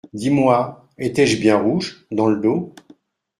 Dis-moi… étais-je bien rouge… dans le dos ?